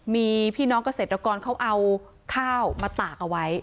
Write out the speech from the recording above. มีพี่น้องเกษตรกรเขาเอาข้าวมาตากเอาไว้